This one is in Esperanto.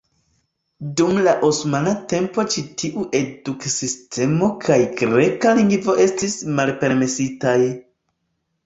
Dum la osmana tempo ĉi tiu eduk-sistemo kaj greka lingvo estis malpermesitaj.